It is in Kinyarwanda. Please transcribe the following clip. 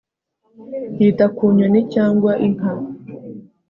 Yita ku nyoni cyangwa inka